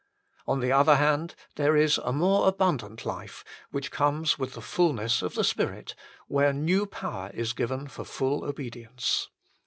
On the other hand, there is a more abundant life, which comes with the fulness of the Spirit, where new power is given for full obedience.